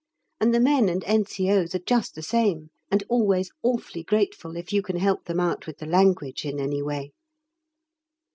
And the men and N.C.O.'s are just the same, and always awfully grateful if you can help them out with the language in any way.